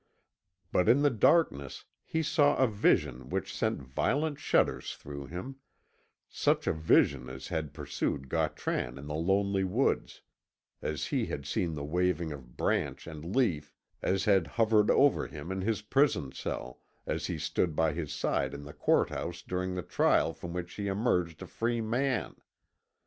But in the darkness he saw a vision which sent violent shudders through him such a vision as had pursued Gautran in the lonely woods, as he had seen in the waving of branch and leaf, as had hovered over him in his prison cell, as he stood by his side in the courthouse during the trial from which he emerged a free man.